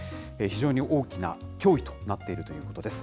非常に大きな脅威となっているということです。